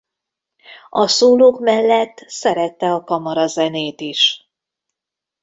A szólók mellett szerette a kamarazenét is.